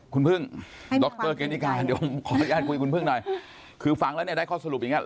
คุณพึ่งดรเกณฑิกาเดี๋ยวขออนุญาตคุยคุณพึ่งหน่อยคือฟังแล้วเนี่ยได้ข้อสรุปอย่างนี้